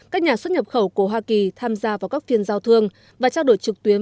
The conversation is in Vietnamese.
các nhà xuất nhập khẩu của hoa kỳ tham gia vào các phiên giao thương và trao đổi trực tuyến